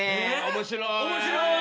「面白い」！